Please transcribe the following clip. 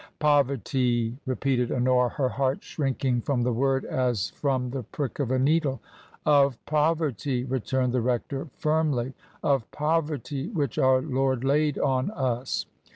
"Poverty!" repeated Honora, her heart shrinking from the word as from the prick of a needle. "Of poverty," returned the rector, firmly; "of poverty which our Lord laid on us.